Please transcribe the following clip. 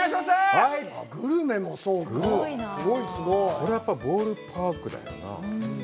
これはボールパークだよな。